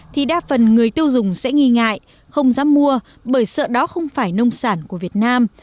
thì đa phần người tiêu dùng sẽ nghi ngại không dám mua bởi sợ đó không phải nông sản của việt nam